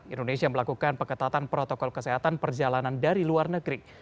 indonesia melakukan pengetatan protokol kesehatan perjalanan dari luar negeri